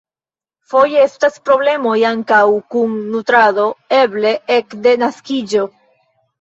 Foje estas problemoj ankaŭ kun nutrado, eble ekde naskiĝo.